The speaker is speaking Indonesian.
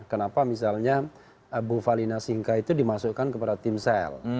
kenapa misalnya bu valina singka itu dimasukkan kepada timsel